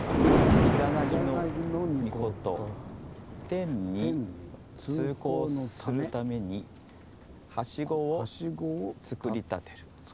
「イザナギノミコト天に通行するためにはしごを作りたてる」。